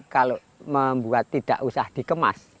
kalau membuat tidak usah dikemas